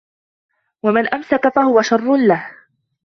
وَمَنْ أَمْسَكَ فَهُوَ شَرٌّ لَهُ